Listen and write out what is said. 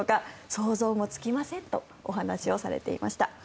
想像もつきませんとお話をされていました。